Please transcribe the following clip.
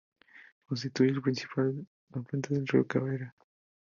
Constituye el principal afluente del río Cabrera.